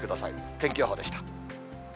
天気予報でした。